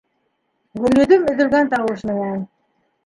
Гөлйөҙөм өҙөлгән тауыш менән: